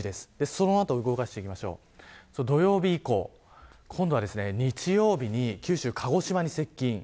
その後動かしていくと土曜日以降日曜日に九州、鹿児島に接近。